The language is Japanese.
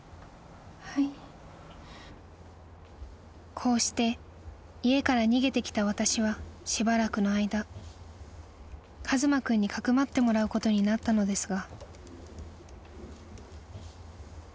［こうして家から逃げてきた私はしばらくの間一馬君にかくまってもらうことになったのですが］